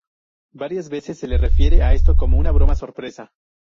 Varias veces se le refiere a esto como una 'broma sorpresa'.